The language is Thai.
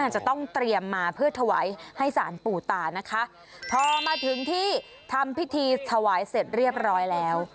จะต้องเตรียมมาเพื่อถวายให้สารปู่ตานะคะพอมาถึงที่ทำพิธีถวายเสร็จเรียบร้อยแล้ว